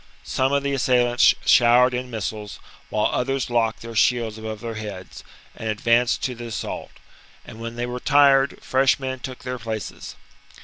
^ Some of the assailants showered in missiles, while others locked their shields above their heads, and advanced to the assault ; and when they were tired, fresh men took their places.